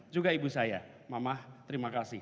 juga ibu saya mamah terima kasih